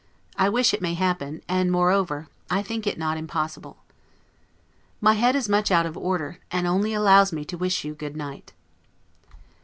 I wish it may happen; and, moreover, I think it not impossible. My head is much out of order, and only allows me to wish you good night.